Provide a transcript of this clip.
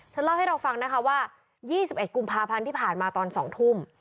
เล่าให้เราฟังนะคะว่า๒๑กุมภาพันธ์ที่ผ่านมาตอน๒ทุ่ม